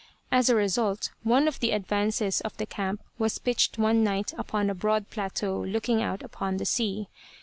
As a result of one of the advances the camp was pitched one night upon a broad plateau looking out upon the sea.